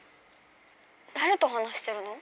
だれと話してるの？